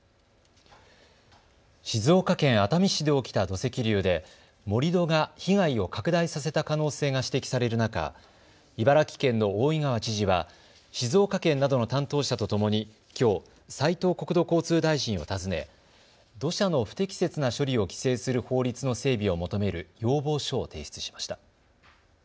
静岡県熱海市で起きた土石流で盛り土が被害を拡大させた可能性が指摘される中、茨城県の大井川知事は静岡県などの担当者とともにきょう斉藤国土交通大臣を訪ね土砂の不適切な処理を規制する法律の整備を求める要望書を提出しました。